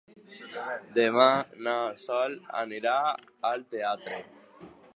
Demà na Sol anirà al teatre.